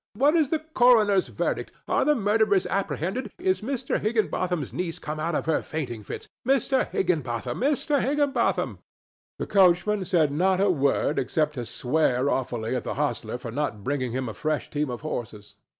"What is the coroner's verdict? Are the murderers apprehended? Is Mr. Higginbotham's niece come out of her fainting fits? Mr. Higginbotham! Mr. Higginbotham!" The coachman said not a word except to swear awfully at the hostler for not bringing him a fresh team of horses.